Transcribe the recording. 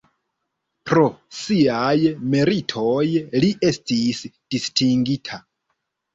Pro siaj meritoj li estis distingita.